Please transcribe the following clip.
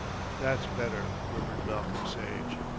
"That's better," murmured Malcolm Sage.